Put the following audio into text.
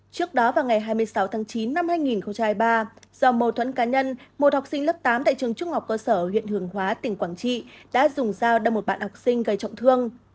trước đó vào ngày hai mươi sáu tháng chín năm hai nghìn hai mươi ba do mâu thuẫn cá nhân một học sinh lớp tám tại trường trung học cơ sở huyện hướng hóa tỉnh quảng trị đã dùng dao đâm một bạn học sinh gây trọng thương